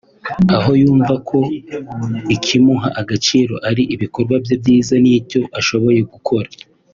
aho yumva ko ikimuha agaciro ali ibikorwa bye byiza n’icyo ashoboye gukora